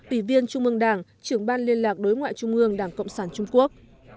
ủy viên trung ương đảng trưởng ban liên lạc đối ngoại trung ương đảng cộng sản trung quốc